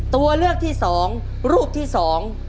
ตัวเลือกที่สองรูปที่สอง